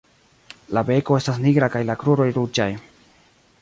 La beko estas nigra kaj la kruroj ruĝaj.